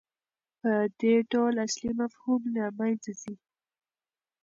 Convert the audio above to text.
په دې ډول اصلي مفهوم له منځه ځي.